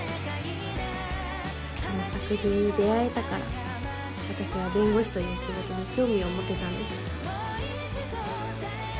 この作品に出会えたから私は弁護士という仕事に興味を持てたんです。